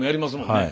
はい。